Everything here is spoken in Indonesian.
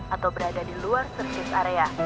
atau berada di luar servive area